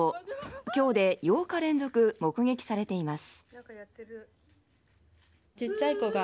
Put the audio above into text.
今日で８日連続目撃されています。